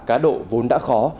cá độ vốn đã khó